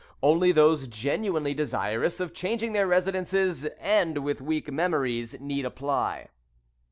Only those genuinely desirous of changing their residences, and with weak memories, need apply.